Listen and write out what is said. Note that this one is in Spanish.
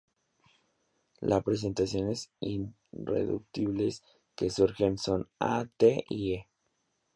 Las representaciones irreductibles que surgen son "a", "t" y "e".